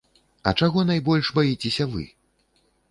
А чаго найбольш баіцеся вы?